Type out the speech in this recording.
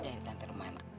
dari tante rumana